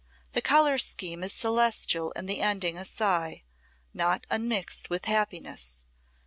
The color scheme is celestial and the ending a sigh, not unmixed with happiness.